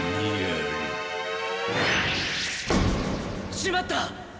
しまった！